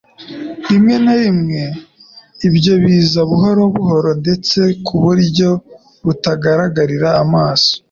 Rimwe na rimwe ibyo biza buhoro buhoro ndetse ku buryo butagaragarira amaso.